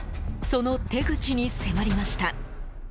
その手口に迫りました。